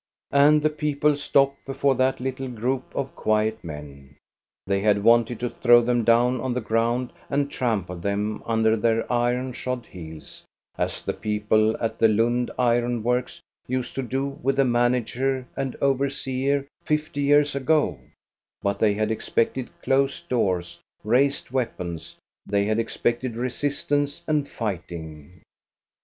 And the people stop before that little group of quiet men. They had wanted to throw them down on the ground and trample them under their iron shod heels, as the people at the Lund ironworks used to do with the manager and overseer fifty years ago; but they had expected closed doors, raised weapons ; they had expected resistance and fighting.